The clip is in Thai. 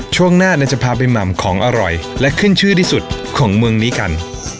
ช่วงหน้าจะพาไปหม่ำของอร่อยและขึ้นชื่อที่สุดของเมืองนี้กัน